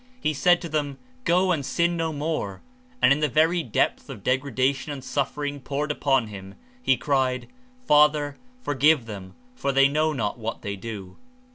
He said to them, "Go and sin no more," and in the very depth of degrada tion and suffering poured upon him, he cried, "Father forgive them for they know not what they do."